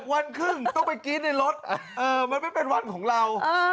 วันครึ่งต้องไปกรี๊ดในรถมันไม่เป็นวันของเรา